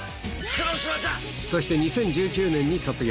そして２０１９年に卒業。